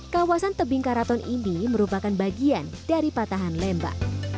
kawasan tebing karaton ini merupakan bagian dari patahan lemba